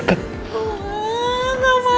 gak mau ngeliat foto itu